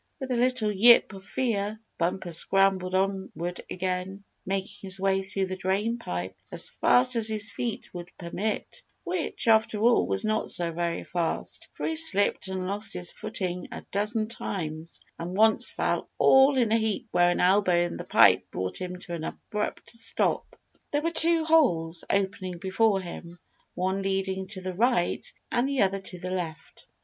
With a little yip of fear, Bumper scrambled onward again, making his way through the drain pipe as fast as his feet would permit, which, after all, was not so very fast, for he slipped and lost his footing a dozen times, and once fell all in a heap where an elbow in the pipe brought him to an abrupt stop. There were two holes opening before him, one leading to the right and the other to the left.